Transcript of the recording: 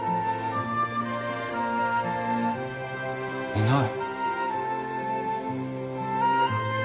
いない。